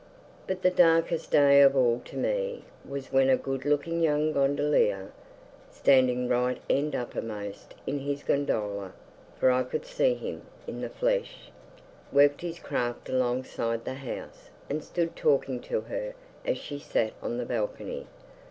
But the darkest day of all to me was when a good looking young gondolier, standing right end uppermost in his gondola (for I could see him in the flesh), worked his craft alongside the house, and stood talking to her as she sat on the balcony.